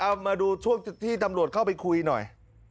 เอามาดูช่วงที่ตำรวจเข้าไปคุยหน่อย